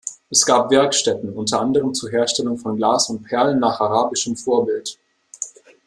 Es gab Werkstätten, unter anderem zur Herstellung von Glas und Perlen nach arabischem Vorbild.